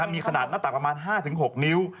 มีขนาดหน้าตักประมาณ๕๖นิ้ว